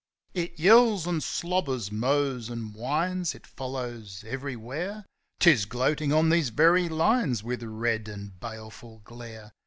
It yells and slobbers, mows and whines, It follows everywhere; 'Tis gloating on these very lines with red and baleful glare.